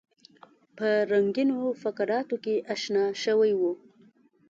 په رنګینو فقراتو کې انشا شوی وو.